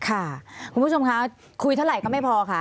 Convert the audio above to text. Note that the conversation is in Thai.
คุณผู้ชมคะคุยเท่าไหร่ก็ไม่พอค่ะ